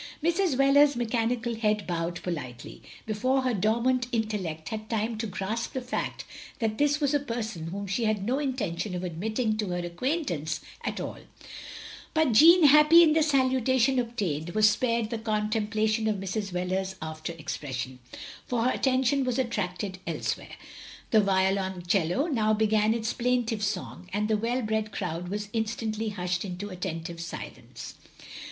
Mrs. Wheler's mechanical head bowed politely, before her dormant intellect had time to grasp the fact that this was a person whom she had no intention of admitting to her acquaintance at all; but Jeanne, happy in the salutation obtained, was spared the contemplation of Mrs. Wheler's after expression, for her attention was attracted elsewhere. The violoncello now began its plaintive song, and the well bred crowd was instantly hushed into attentive silence.